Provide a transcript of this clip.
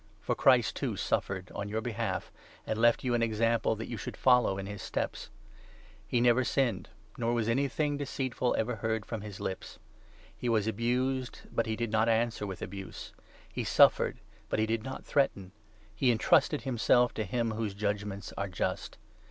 For Christ, too, suffered — on your behalf— and left you an example, that you should follow in his steps. He ' never sinned, nor was anything deceitful 22 ever heard from his lips.' He was abused, but he did not 23 answer with abuse ; he suffered, but he did not threaten ; he entrusted himself to him whose judgements are just.